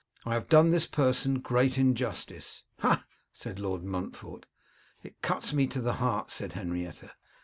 'I have done this person great injustice.' 'Hah!' said Lord Montfort. 'It cuts me to the heart,' said Henrietta.